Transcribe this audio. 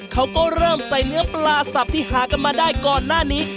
เขาก็เริ่มใส่เนื้อปลาสับที่หากันมาได้ก่อนหน้านี้